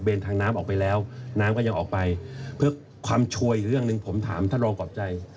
ทางน้ำออกไปแล้วน้ำก็ยังออกไปเพื่อความชัวร์อีกเรื่องหนึ่งผมถามท่านรองกรอบใจ